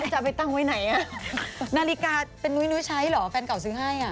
จะเอาไปตั้งไว้ไหนอ่ะนาฬิกาเป็นนุ้ยใช้เหรอแฟนเก่าซื้อให้อ่ะ